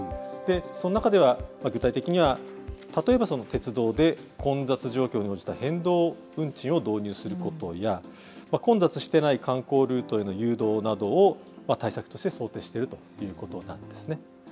その中では具体的には、例えば鉄道で混雑状況に応じた変動運賃を導入することや、混雑してない観光ルートへの誘導などを、対策として想定しているということなんですね。